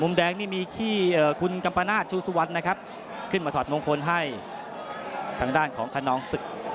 แดงนี่มีที่คุณกัมปนาศชูสุวรรณนะครับขึ้นมาถอดมงคลให้ทางด้านของคนนองศึก